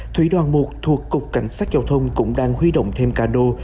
thủy đoàn một thuộc cục cảnh sát giao thông cũng đang huy động thêm cano